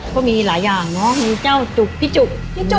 ก็มีหลายอย่างเนาะมีเจ้าจุกพี่จุก